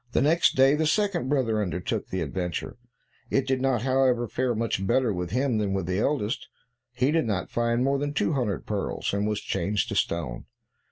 Next day, the second brother undertook the adventure; it did not, however, fare much better with him than with the eldest; he did not find more than two hundred pearls, and was changed to stone.